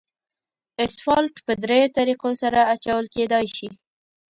اسفالټ په دریو طریقو سره اچول کېدای شي